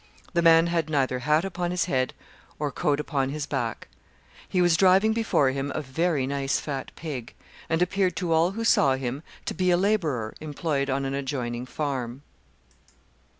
The man had neither hat upon his head or coat upon his back. He was driving before him a very nice fat pig, and appeared to all who saw him to be a labourer employed on an adjoining farm.